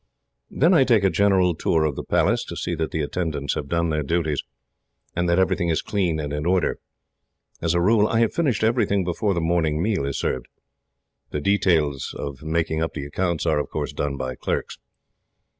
"Then I take a general tour of the Palace, to see that the attendants have done their duties, and that everything is clean and in order. As a rule, I have finished everything before the morning meal is served. The details of making up the accounts are, of course, done by clerks.